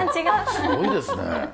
すごいですね！